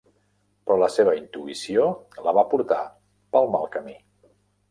Però la seva intuïció la va portar pel mal camí.